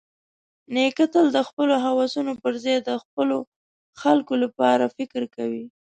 نیکه تل د خپلو هوسونو پرځای د خپلو خلکو لپاره فکر کوي.